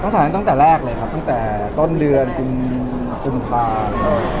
ต้องถ่ายตั้งแต่แรกเลยครับตั้งแต่ต้นเดือนตามส่วนผ่าน